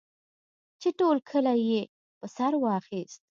چې ټول کلی یې په سر واخیست.